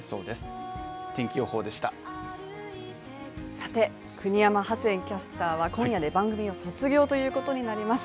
さて、国山ハセンキャスターは今夜で番組を卒業ということになります。